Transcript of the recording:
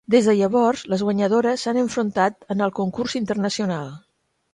Des de llavors, les guanyadores s'han enfrontat en el concurs internacional.